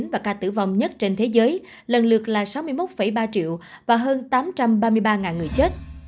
và ca tử vong nhất trên thế giới lần lượt là sáu mươi một ba triệu và hơn tám trăm ba mươi ba người chết